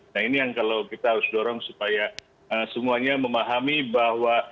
nah ini yang kalau kita harus dorong supaya semuanya memahami bahwa